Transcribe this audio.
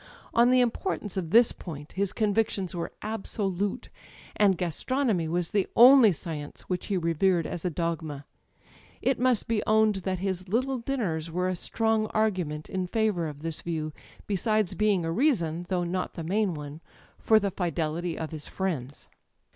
On the importance of this point his convictions were absolute, and gastronomy was the only science which he revered as a dogma. It must be owned that his little dinners were a strong argument in favour of this view, besides being a reason â€" ^though not the main one â€" for the fidelity of his friends.